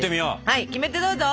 はいキメテどうぞ！